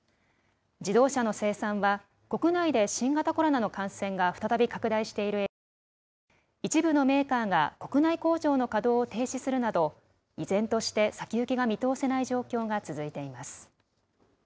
自動車の生産は、国内で新型コロナの感染が再び拡大している影響で、一部のメーカーが国内工場の稼働を停止するなど、依然として先行きが見通せない状況が続いています。